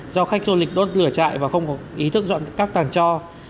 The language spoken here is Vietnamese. do khách du lịch đốt lửa chạy và không có ý thức dọn các tàng cho